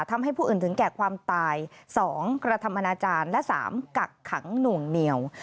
ทำให้ผู้อื่นถึงแก่ความตาย๒กระทำอนาจารย์และ๓กักขังหน่วงเหนียว